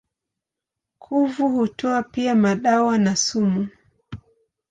Kuvu hutoa pia madawa na sumu.